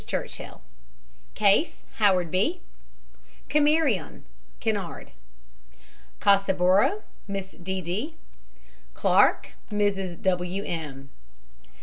CHURCHILL. CASE, HOWARD B. CAMARION, KENARD. CASSEBORO, MISS D. D. CLARK, MRS. W. M.